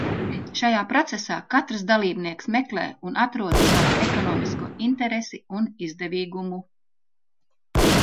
Šajā procesā katrs dalībnieks meklē un atrod savu ekonomisko interesi un izdevīgumu.